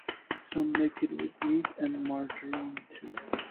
Some make it with meat and margarine too.